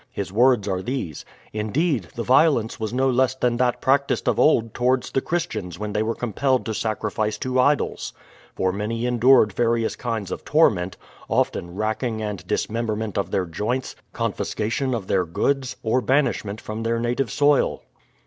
His words are these: "Indeed, the violence was no less than that practised of old towards the Christians when they were compelled to sacrifice to idols ; for many endured va rious kinds of torment — often racking and dismember ment of their joints, confiscation of their goods, or banish ment from their native soil."